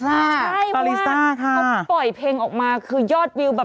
สุดยอดมาตรงนี้ค่ะ